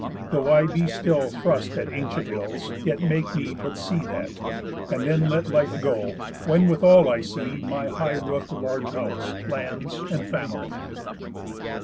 Though I be still thrust at By ancient ills, yet make me but see that. And then let life go, when withal I see My high roof'd large house, lands, and family."